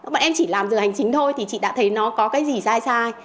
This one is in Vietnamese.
bọn em chỉ làm giờ hành chính thôi thì chị đã thấy nó có cái gì sai sai